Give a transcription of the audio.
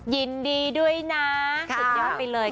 ยินดีด้วยนะสุดยอดไปเลย